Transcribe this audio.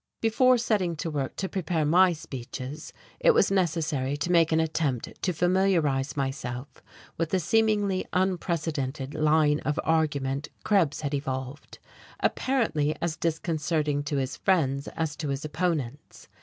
Before setting to work to prepare my speeches it was necessary to make an attempt to familiarize myself with the seemingly unprecedented line of argument Krebs had evolved apparently as disconcerting to his friends as to his opponents.